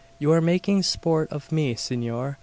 "You are making sport of me, Senor.